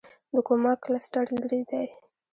د کوما کلسټر لیرې دی.